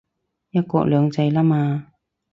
一國兩制喇嘛